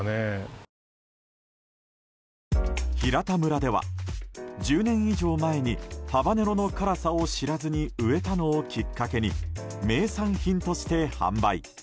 平田村では１０年以上前にハバネロの辛さを知らずに植えたのをきっかけに名産品として販売。